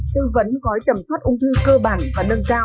tư vấn gói tầm soát ung thư cơ bản và nâng cao